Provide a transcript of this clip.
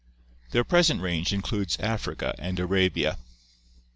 Their present range includes Africa and Arabia.